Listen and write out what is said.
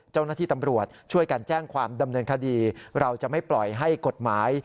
เจ้าหน้าที่ตำรวจช่วยกันแจ้งความดำเนินคดีเราจะไม่ปล่อยให้กฎหมาย